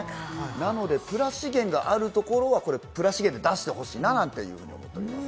なので、プラ資源があるところはプラ資源で出してほしいななんて思ってます。